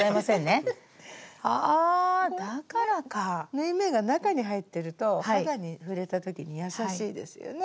縫い目が中に入ってると肌に触れた時に優しいですよね。